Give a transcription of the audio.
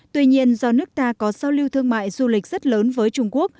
tuy nhiên do nước ta có giao lưu thương mại du lịch rất lớn với trung quốc